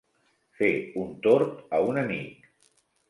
Fer un tort a un amic.